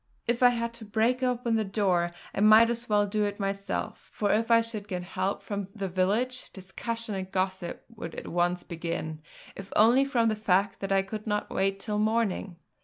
If I had to break open the door I might as well do it myself; for if I should get help from the village, discussion and gossip would at once begin, if only from the fact that I could not wait till morning.